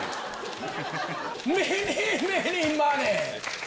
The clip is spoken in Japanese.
メニーメニーマネー。